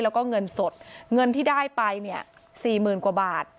แล้วก็เงินสดเงินที่ได้ไปเนี่ย๔๐๐๐กว่าบาท